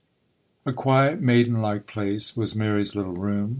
A QUIET, maiden like place was Mary's little room.